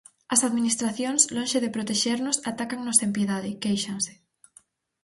"As administracións, lonxe de protexernos, atácannos sen piedade", quéixanse.